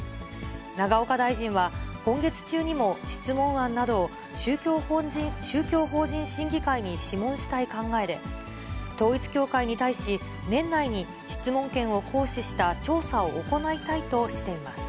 永岡大臣は、今月中にも質問案などを宗教法人審議会に諮問したい考えで、統一教会に対し、年内に質問権を行使した調査を行いたいとしています。